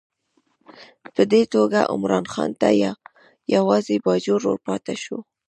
په دې توګه عمرا خان ته یوازې باجوړ ورپاته شو.